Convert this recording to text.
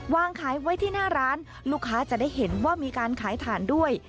วางขายไว้ที่หน้าร้านลูกค้าจะได้เห็นว่ามีการขายถ่านด้วย